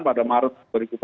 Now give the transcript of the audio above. pada maret dua ribu empat belas